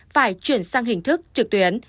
phải chuyển sang hình thức trực tuyến